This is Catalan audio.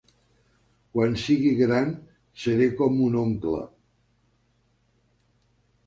Quan sigui gran seré com mon oncle.